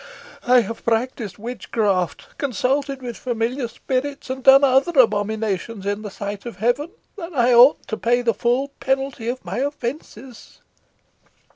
I have practised witchcraft, consulted with familiar spirits, and done other abominations in the sight of Heaven; and I ought to pay the full penalty of my offences."